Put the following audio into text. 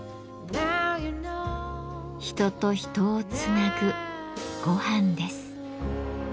人と人をつなぐごはんです。